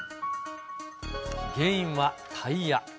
原因はタイヤ。